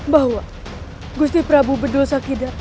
bahwa gusti prabu bedul sakida